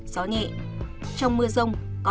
có nơi trên ba mươi bảy độ